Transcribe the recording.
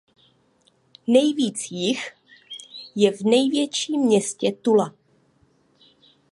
Nejvíc jich je v největším městě Tula.